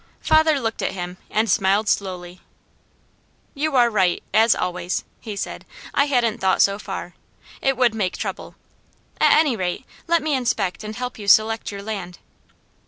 Father looked at him and smiled slowly. "You are right, as always," he said. "I hadn't thought so far. It would make trouble. At any rate, let me inspect and help you select your land."